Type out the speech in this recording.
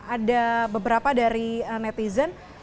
ada beberapa dari netizen